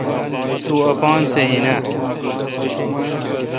تو اپان سہ این اؘ